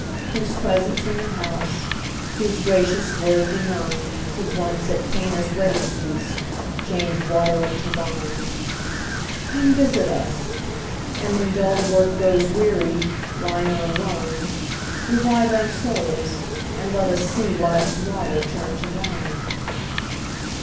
whose presence in the house, Whose gracious word benign, Could once, at Cana's wedding feast, Change water into wine; Come, visit us! and when dull work Grows weary, line on line, Revive our souls, and let us see Life's water turned to wine.